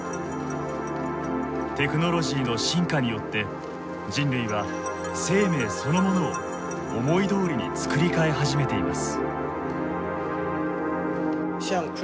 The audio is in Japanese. テクノロジーの進化によって人類は生命そのものを思いどおりに作りかえ始めています。